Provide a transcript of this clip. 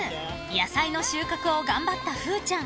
［野菜の収穫を頑張ったふうちゃん］